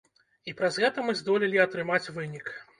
І праз гэта мы здолелі атрымаць вынік.